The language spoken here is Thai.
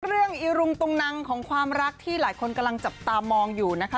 อีรุงตุงนังของความรักที่หลายคนกำลังจับตามองอยู่นะคะ